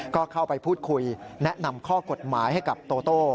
ก็เข้าไปพูดคุยแนะนำข้อกฎหมายให้กับโตโต้